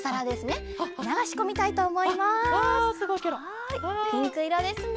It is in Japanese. はいピンクいろですね。